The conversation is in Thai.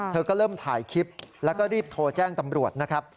เธอก็เริ่มถ่ายคลิปแล้วก็รีบโทรแจ้งตำรวจนะครับ